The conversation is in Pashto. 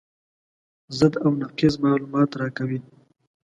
ضد او نقیض معلومات راکوي.